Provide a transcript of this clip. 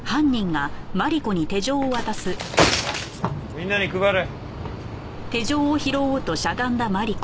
みんなに配れ。